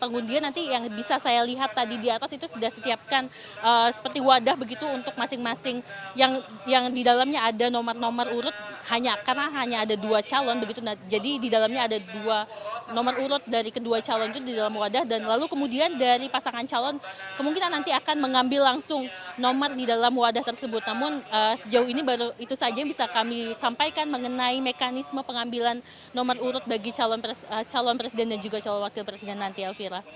pengundian nanti yang bisa saya lihat tadi di atas itu sudah setiapkan seperti wadah begitu untuk masing masing yang yang di dalamnya ada nomor nomor urut hanya karena hanya ada dua calon begitu jadi di dalamnya ada dua nomor urut dari kedua calon itu di dalam wadah dan lalu kemudian dari pasangan calon kemungkinan nanti akan mengambil langsung nomor di dalam wadah tersebut namun sejauh ini baru itu saja bisa kami sampaikan mengenai mekanisme pengambilan nomor urut bagi calon presiden dan juga calon wakil presiden nanti elvira